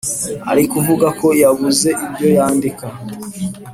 arikuvuga ko yabuze ibyo yandika